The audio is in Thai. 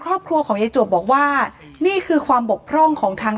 ครอบครัวของยายจวบบอกว่านี่คือความบกพร่องของทาง